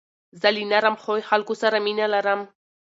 زه له نرم خوی خلکو سره مینه لرم.